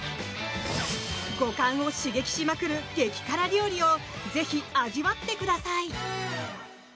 五感を刺激しまくる激辛料理をぜひ味わってください！